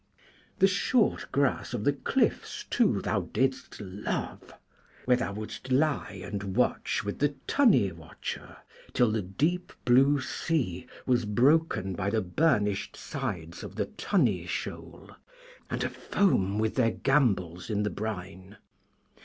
The short grass of the cliffs, too, thou didst love, where thou wouldst lie, and watch, with the tunny watcher till the deep blue sea was broken by the burnished sides of the tunny shoal, and afoam with their gambols in the brine.